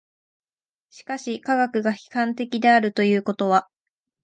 しかし科学が批判的であるということは